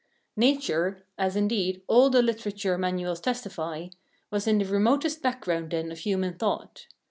Nature as, indeed, all the literature manuals testify was in the remotest background then of human thought.